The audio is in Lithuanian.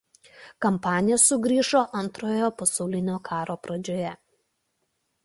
Kampanija sugrįžo Antrojo pasaulinio karo pradžioje.